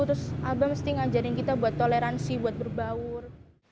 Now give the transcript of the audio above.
terus abang mesti ngajarin kita buat toleransi buat berbaur